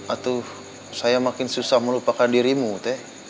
atau saya makin susah melupakan dirimu teeh